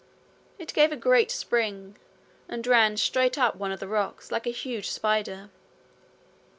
It gave a great spring, and ran straight up one of the rocks like a huge spider.